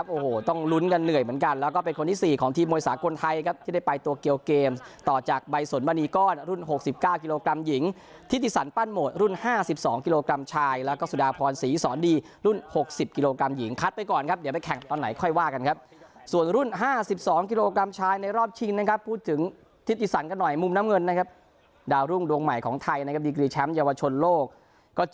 ปั้นโหมดรุ่นห้าสิบสองกิโลกรัมชายแล้วก็สุดาพรศรีสอนดีรุ่นหกสิบกิโลกรัมหญิงคัดไปก่อนครับเดี๋ยวไปแข่งตอนไหนค่อยว่ากันครับส่วนรุ่นห้าสิบสองกิโลกรัมชายในรอบชิงนะครับพูดถึงทิศอิสันกันหน่อยมุมน้ำเงินนะครับดาวรุ่งดวงใหม่ของไทยนะครับดีกรีแชมป์เยาวชนโลกก็